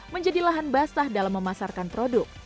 menjadi lahan basah dalam memasarkan produk